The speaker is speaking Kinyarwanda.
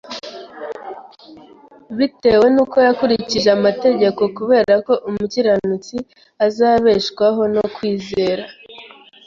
bitewe n uko yakurikije amategeko kubera ko umukiranutsi azabeshwaho no kwizera